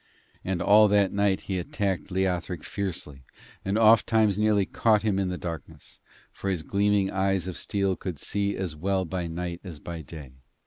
And all that night he attacked Leothric fiercely, and oft times nearly caught him in the darkness; for his gleaming eyes of steel could see as well by night as by day.